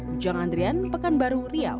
ujang andrian pekanbaru riau